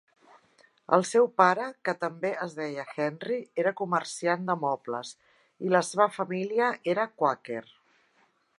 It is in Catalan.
El seu pare, que també es deia Henry, era comerciant de mobles i la seva família era quàquer.